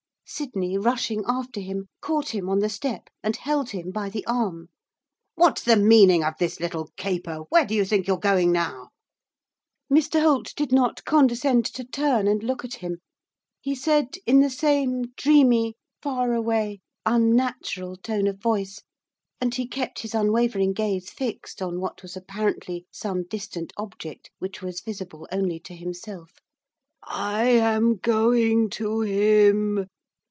Sydney, rushing after him, caught him on the step and held him by the arm. 'What's the meaning of this little caper? Where do you think you're going now?' Mr Holt did not condescend to turn and look at him. He said, in the same dreamy, faraway, unnatural tone of voice, and he kept his unwavering gaze fixed on what was apparently some distant object which was visible only to himself. 'I am going to him.